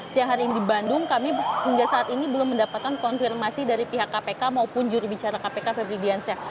siang hari ini di bandung kami hingga saat ini belum mendapatkan konfirmasi dari pihak kpk maupun jurubicara kpk febri diansyah